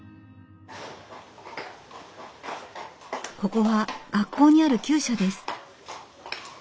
ここは学校にある厩舎です。